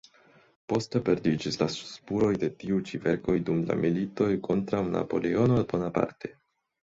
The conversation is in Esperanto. Poste perdiĝis la spuroj de tiu ĉi verkoj dum la militoj kontraŭ Napoleono Bonaparte.